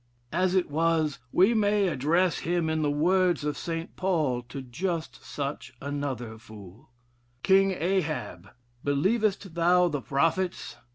As it was, we may address him in the words of St. Paul to just such another fool, 'King Ahab, believest thou the prophets?